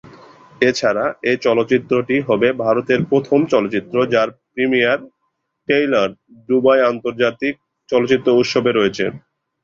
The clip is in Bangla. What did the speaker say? এছাড়া এই চলচ্চিত্রটি হবে ভারতের প্রথম চলচ্চিত্র যার প্রিমিয়ার ট্রেইলার দুবাই আন্তর্জাতিক চলচ্চিত্র উৎসবে রয়েছে।